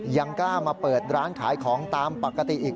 ยังกล้ามาเปิดร้านขายของตามปกติอีก